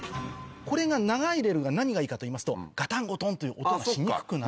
これが長いレールが何がいいかといいますとガタンゴトンという音がしにくくなるんですよ。